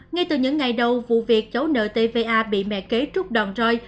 ngay từ những ngày đầu vụ việc cháu nợ tva bị mẹ kế trút đòn rơi